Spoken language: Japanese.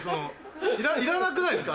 いらなくないすか？